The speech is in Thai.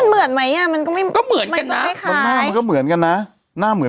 เขาอาจจะรู้